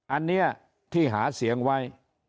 อันนี้ที่หาเสียงไว้